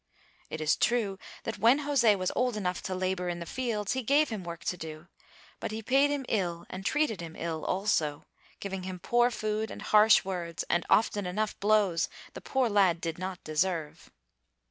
It is true that when José was old enough to labor in the fields he gave him work to do, but he paid him ill and treated him ill also, giving him poor food and harsh words, and often enough blows the poor lad did not deserve.